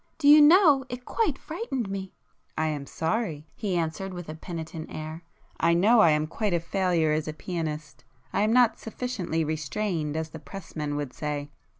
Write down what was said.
Do you know, it quite frightened me?" "I am sorry!" he answered with a penitent air—"I know I am quite a failure as a pianist—I am not sufficiently 'restrained,' as the press men would say."